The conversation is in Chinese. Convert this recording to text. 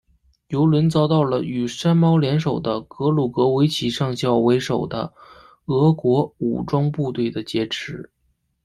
油轮遭到了与山猫联手的格鲁格维奇上校为首的俄国武装部队的劫持。